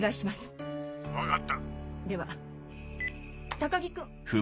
高木君。